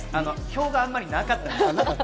評判、あんまりなかったんです。